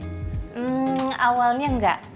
hmm awalnya enggak